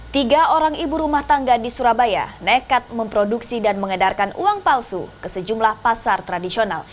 tiga orang ibu rumah tangga di surabaya nekat memproduksi dan mengedarkan uang palsu ke sejumlah pasar tradisional